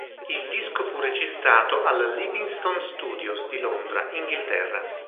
Il disco fu registrato al Livingston Studios di Londra, Inghilterra.